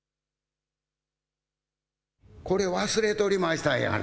これ忘れとりましたやがな。